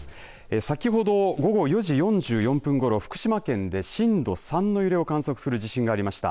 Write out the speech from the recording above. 先ほど午後４時４４分ごろ福島県で震度３の揺れを観測する地震がありました。